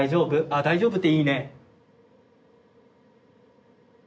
あ「大丈夫」っていいね。